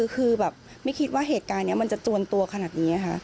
คือแบบไม่คิดว่าเหตุการณ์นี้มันจะจวนตัวขนาดนี้ค่ะ